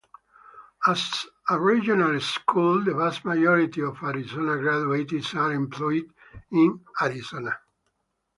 As a regional school, the vast majority of Arizona graduates are employed in Arizona.